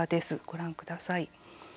ご覧ください。